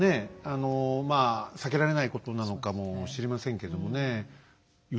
あのまあ避けられないことなのかもしれませんけどもね。